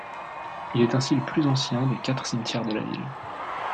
Il est ainsi le plus anciens des quatre cimetières de la ville.